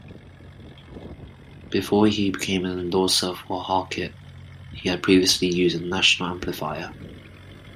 Before he became an endorser for Hartke, he had previously used a National amplifier.